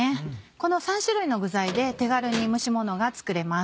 この３種類の具材で手軽に蒸しものが作れます。